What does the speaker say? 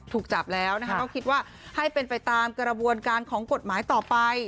ถูกจับแล้วก็คิดว่าให้เป็นไปตามกระบวนการของกฎหมายต่อไป